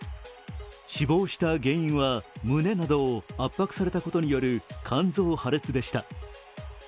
死亡した原因は胸などを圧迫されたことによる肝臓破裂でした。